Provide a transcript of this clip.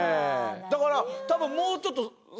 だから多分もうちょっと探せばね。